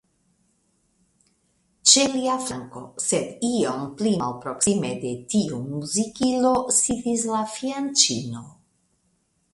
Ĉe lia flanko, sed iom pli malproksime de tiu muzikilo, sidis la fianĉino.